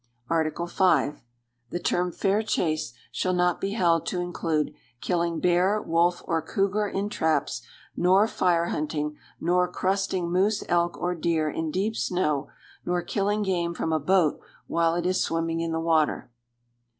Article V. The term "fair chase" shall not be held to include killing bear, wolf, or cougar in traps, nor "fire hunting," nor "crusting" moose, elk, or deer in deep snow, nor killing game from a boat while it is swimming in the water.